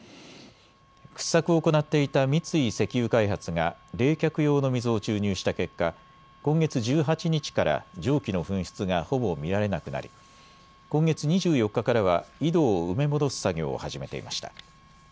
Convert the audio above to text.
掘削を行っていた三井石油開発が冷却用の水を注入した結果、今月１８日から蒸気の噴出がほぼ見られなくなり今月２４日からは井戸を埋め戻す作業を始めていました。